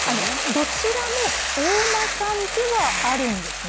どちらも大間産ではあるんですね。